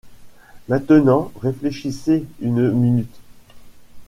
Maintenant, réfléchissez une minute.